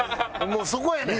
もうそこやねん。